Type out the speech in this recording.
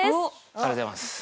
ありがとうございます。